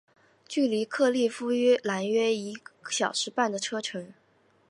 距离克利夫兰约一小时半的车程。